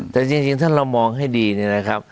แต่จริงถ้าเรามองให้ดีเนี่ย